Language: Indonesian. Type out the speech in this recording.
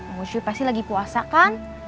mau cuy pasti lagi puasa kan